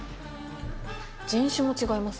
人種も違います。